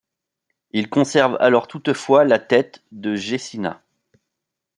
Il conserve alors toutefois la tête de Gecina.